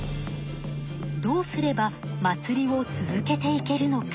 どうすれば祭りを続けていけるのか。